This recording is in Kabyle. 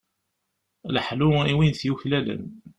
Leḥlu i win t-yuklalen.